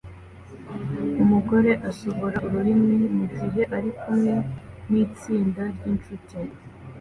Umugore asohora ururimi mugihe ari kumwe nitsinda ryinshuti